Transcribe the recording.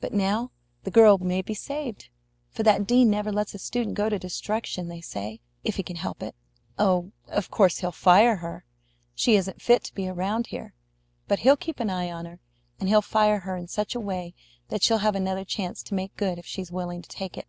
But now the girl may be saved, for that dean never lets a student go to destruction, they say, if he can help it. Oh, of course he'll fire her. She isn't fit to be around here. But he'll keep an eye on her, and he'll fire her in such a way that she'll have another chance to make good if she's willing to take it.